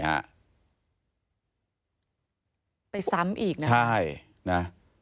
ไปซ้ำอีกนะใช่นะ